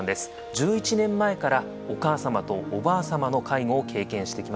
１１年前からお母様とおばあ様の介護を経験してきました。